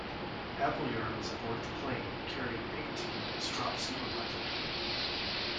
Appleyard was aboard the plane carrying 'Pink' team as drop supervisor.